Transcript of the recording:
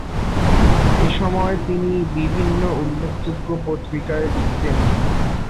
এসময় তিনি বিভিন্ন উল্লেখযোগ্য পত্রিকায় লিখতেন।